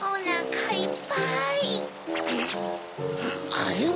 あれは？